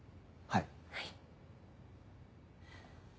はい？